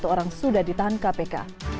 dua puluh satu orang sudah ditahan kpk